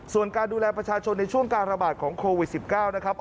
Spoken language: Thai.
ส่วนการดูแลประชาชนในช่วงการระบาดของโควิด๑๙นะครับ